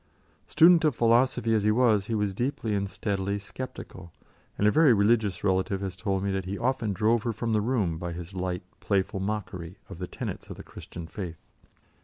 Student of philosophy as he was, he was deeply and steadily sceptical; and a very religious relative has told me that he often drove her from the room by his light, playful mockery of the tenets of the Christian faith.